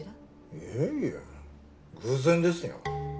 いえいえ偶然ですよ。